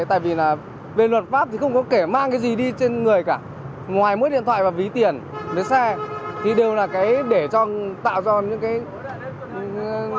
tại vì là về luật pháp thì không có kể mang cái gì đi trên người cả ngoài mỗi điện thoại và ví tiền lấy xe thì đều là cái để tạo ra những cái